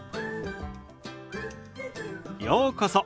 ようこそ。